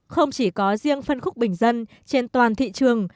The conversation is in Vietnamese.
không chỉ có riêng phân khúc bình dân trên toàn thị trường